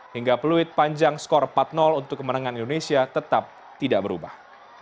hingga peluit panjang skor empat untuk kemenangan indonesia tetap tidak berubah